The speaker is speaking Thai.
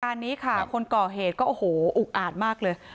อันนี้ค่ะคนก่อเหตุก็โอ้โหอุกอาจมากเลย